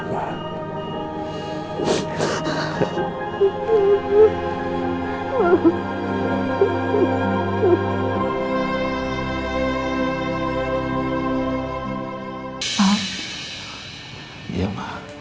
kamu harus berjuang sayang